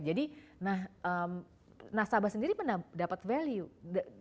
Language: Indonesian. jadi nah nasabah sendiri mendapat value